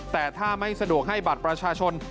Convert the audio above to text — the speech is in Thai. โทษภาพชาวนี้ก็จะได้ราคาใหม่